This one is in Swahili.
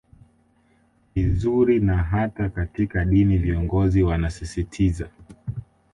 vizuri na hata katika dini viongozi wanasisitiza